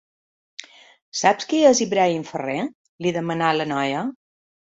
Saps qui és Ibrahim Ferrer? —li demana la noia.